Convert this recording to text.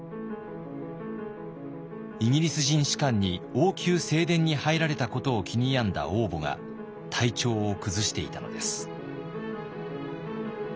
イギリス人士官に王宮正殿に入られたことを気に病んだ王母が体調を崩していたのです。